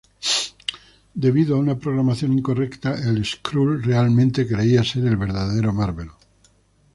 Debido a una programación incorrecta, el Skrull realmente creía ser el verdadero Mar-Vell.